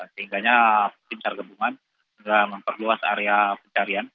sehingga tim sargabungan sudah memperluas area pencarian